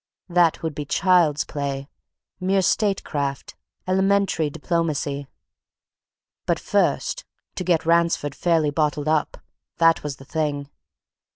That would be child's play mere statecraft elementary diplomacy. But first to get Ransford fairly bottled up that was the thing!